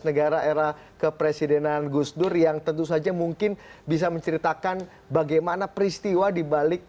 negara era kepresidenan gus dur yang tentu saja mungkin bisa menceritakan bagaimana peristiwa dibalik